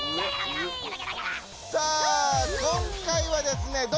さあ今回はですね